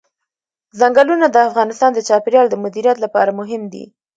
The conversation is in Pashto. ځنګلونه د افغانستان د چاپیریال د مدیریت لپاره مهم دي.